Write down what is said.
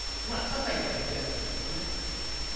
まあささいな欠点ですけどね。